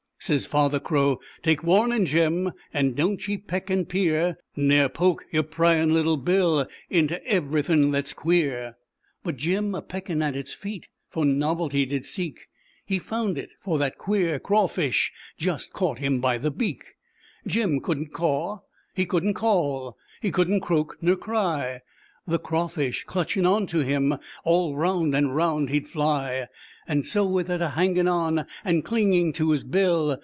Says Father Crow: "Take warnin', Jim, And don't ye peek and peer, Ner poke yer pryin' little bill Inter everything that's queer; i 222 ZAUBERLINDA, THE WISE WITCH. But Jim, a peckin' at its feet, For novelty did seek ; e found it, for that queer Craw Fish Just caught him by the beak. Jim couldn't caw, he couldn't call, He couldn't croak ner cry; The Craw Fish clutchin' onto him, All 'round and 'round he'd fly. And so with it a hangin' on And clingin' to his bill.